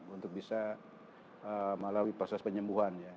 untuk bisa melalui proses penyembuhan ya